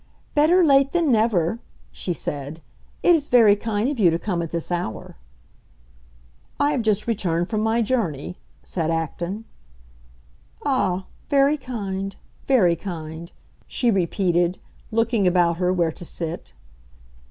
"Better late than never," she said. "It is very kind of you to come at this hour." "I have just returned from my journey," said Acton. "Ah, very kind, very kind," she repeated, looking about her where to sit.